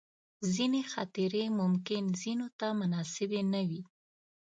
ځینې خاطرې ممکن ځینو ته مناسبې نه وي.